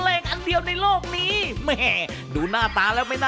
เขาใช้คำว่า๓กิโลกว่าเอง